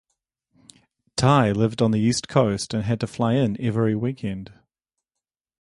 Ty lived on the East Coast and had to fly in every weekend.